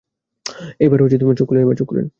এবার চোখ খুলেন।